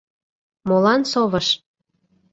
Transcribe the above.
Молан совыш?